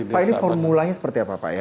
pak ini formulanya seperti apa pak ya